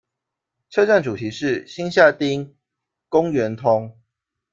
车站主题是「新下町、公园通」。